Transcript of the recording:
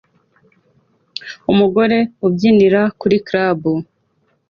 Umugore ubyinira kuri club